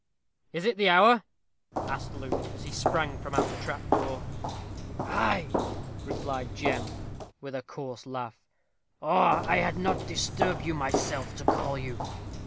"Is it the hour?" asked Luke, as he sprang from out the trap door. "Ay," replied Jem, with a coarse laugh, "or I had not disturbed myself to call you.